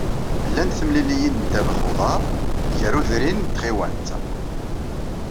Llant temliliyin n ddabex n uḍar gar udrin n tɣiwant.